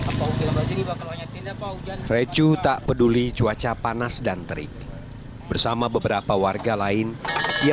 bakal banyak tindak mau dan recu tak peduli cuaca panas dan terik bersama beberapa warga lain ia